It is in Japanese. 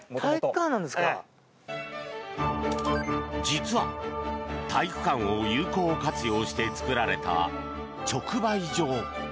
実は、体育館を有効活用して作られた直売所。